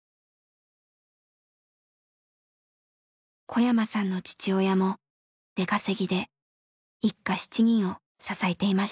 小山さんの父親も出稼ぎで一家７人を支えていました。